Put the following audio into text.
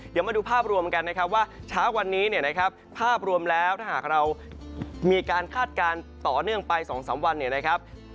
เดี๋ยวมาดูภาพรวมกันนะครับว่าเช้าวันนี้เนี่ยนะครับภาพรวมแล้วถ้าหากเรามีการคาดการณ์ต่อเนื่องไป๒๓วันเนี่ยนะครับ